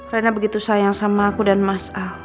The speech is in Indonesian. rena begitu sayang sama aku dan mas al